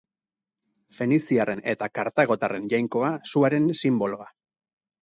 Feniziarren eta kartagotarren jainkoa, suaren sinboloa.